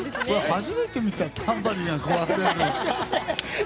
初めて見たタンバリンが壊れるところ。